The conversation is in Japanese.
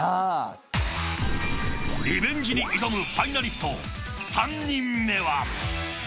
リベンジに挑むファイナリスト３人目は。